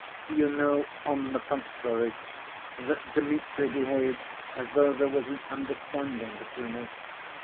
You know, on the contrary, that Dmitri behaved as though there was an understanding between us.